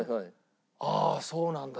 ああそうなんだ